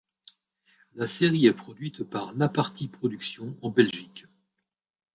La série est produite par La Parti production en Belgique.